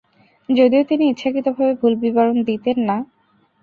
যদিও তিনি ইচ্ছাকৃতভাবে ভুল বিবরণ দিতেন না।